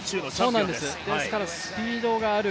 ですからスピードがある。